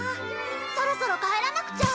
そろそろ帰らなくちゃ。